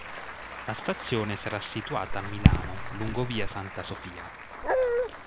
La stazione sarà situata a Milano lungo via Santa Sofia.